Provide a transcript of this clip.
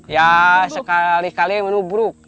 ya sekali kali menubuk